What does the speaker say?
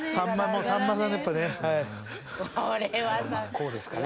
こうですかね。